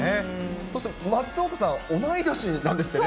そして松岡さんは、同い年なんですってね。